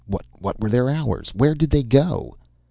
What were their hours? Where did they go?